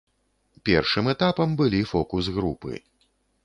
Першым этапам былі фокус-групы.